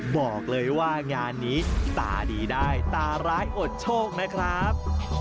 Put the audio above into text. บอกเลยว่างานนี้ตาดีได้ตาร้ายอดโชคนะครับ